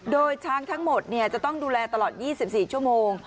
โดยช้างทั้งหมดเนี่ยจะต้องดูแลตลอดยี่สิบสี่ชั่วโมง